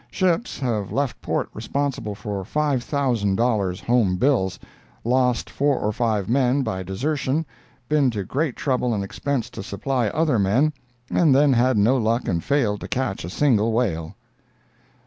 Ships have left port responsible for $5,000 home bills, lost four or five men by desertion, been to great trouble and expense to supply other men, and then had no luck and failed to catch a single whale.